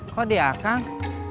kok dia akang